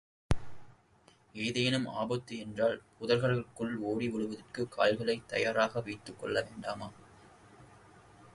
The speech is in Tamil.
ஏதேனும் ஆபத்து என்றால், புதர்களுக்குள் ஒடி ஒளிவதற்குக் கால்களைத் தயாராக வைத்துக்கொள்ள வேண்டாமா?